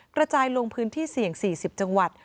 กระจายลงพื้นที่เสี่ยง๔๐จังหวัด